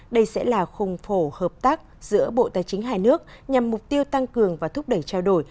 đây sẽ là khung phổ hợp tác giữa bộ tài chính hai nước nhằm mục tiêu tăng cường và thúc đẩy trao đổi